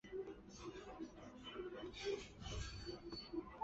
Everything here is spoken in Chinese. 雷劈石山摩崖的历史年代为明代。